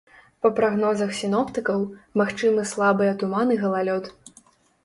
Па прагнозах сіноптыкаў, магчымы слабыя туман і галалёд.